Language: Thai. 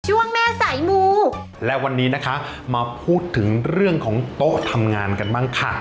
ช่วงแม่สายมูและวันนี้นะคะมาพูดถึงเรื่องของโต๊ะทำงานกันบ้างค่ะ